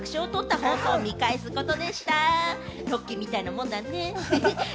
『ロッキー』みたいなもんだね。